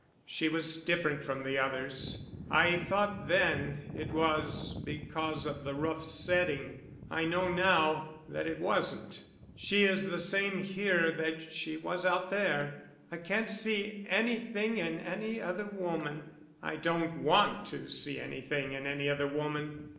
"She was different from the others. I thought then it was because of the rough setting. I know now that it wasn't. She is the same here that she was out there. I can't see anything in any other woman; I don't want to see anything in any other woman.